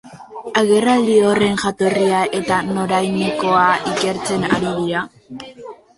Agerraldi horren jatorria eta norainokoa ikertzen ari dira.